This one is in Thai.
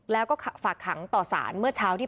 พวกมันต้องกินกันพี่